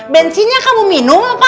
bensinnya kamu minum apa